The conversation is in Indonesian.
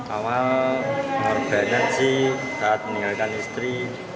awal merupakan benar sih saat meninggalkan istri